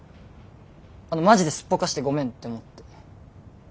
あのマジですっぽかしてごめんって思って。